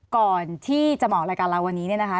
ก่อนที่จะหมอกรายการเราวันนี้นะคะ